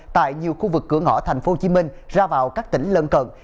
tại nhiều khu vực cửa ngõ tp hcm ra vào các tỉnh lân cận